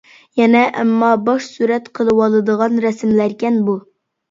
يەنە ئەمما، باش سۈرەت قىلىۋالىدىغان رەسىملەركەن بۇ.